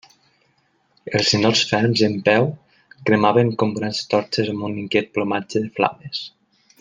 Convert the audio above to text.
Els ninots ferms i en peu cremaven com grans torxes amb un inquiet plomatge de flames.